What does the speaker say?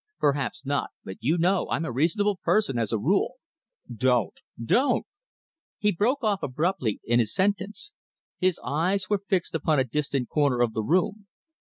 Perhaps not, but you know I'm a reasonable person as a rule. Don't don't " He broke off abruptly in his sentence. His eyes were fixed upon a distant corner of the room.